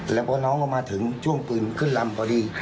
แล้วพอน้องก็มาถึงช่วงปืนขึ้นลำพอดี